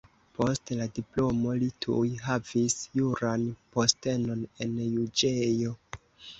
Post la diplomo li tuj havis juran postenon en juĝejo.